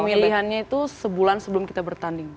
pemilihannya itu sebulan sebelum kita bertanding